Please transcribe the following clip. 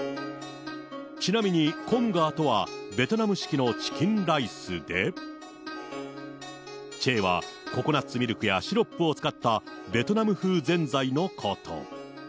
ちなみにコムガーとは、ベトナム式のチキンライスで、チェーはココナッツミルクやシロップを使ったベトナム風前ざいのこと。